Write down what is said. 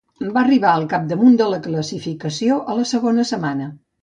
Va arribar al capdamunt de la classificació a la segona setmana.